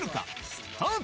スタート！